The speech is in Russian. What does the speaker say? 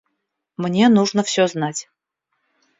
Мне нужно всё знать.